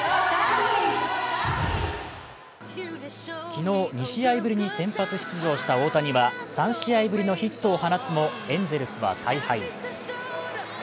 昨日２試合ぶりに先発出場した大谷は３試合ぶりのヒットを放つもエンゼルスは大敗。